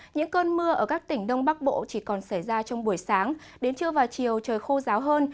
những cơn mưa ở các tỉnh đông bắc bộ chỉ còn xảy ra trong buổi sáng đến trưa và chiều trời khô ráo hơn